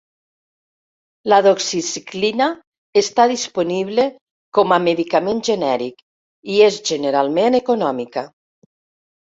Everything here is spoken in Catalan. La doxiciclina està disponible com a medicament genèric i és generalment econòmica.